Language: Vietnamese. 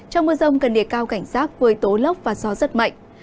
trong mưa rông cần đề cao cảnh giác với tố lốc và gió rất mạnh